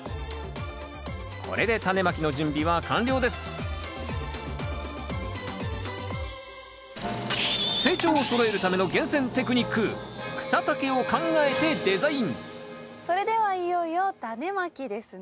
これでタネまきの準備は完了です成長をそろえるための厳選テクニックそれではいよいよタネまきですね。